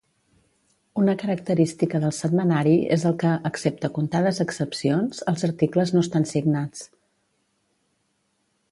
Una característica del setmanari és el que, excepte contades excepcions, els articles no estan signats.